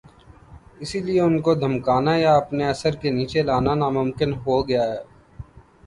اسی لئے ان کو دھمکانا یا اپنے اثر کے نیچے لانا ناممکن ہو گیا۔